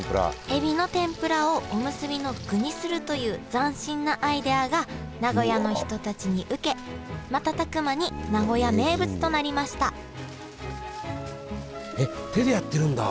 エビの天ぷらをおむすびの具にするという斬新なアイデアが名古屋の人たちに受けまたたく間に名古屋名物となりましたえっ手でやってるんだ！